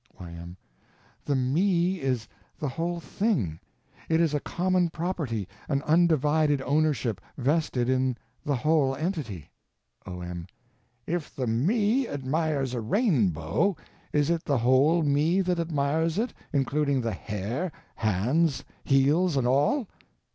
Y.M. The Me is _the whole thing; _it is a common property; an undivided ownership, vested in the whole entity. O.M. If the Me admires a rainbow, is it the whole Me that admires it, including the hair, hands, heels, and all?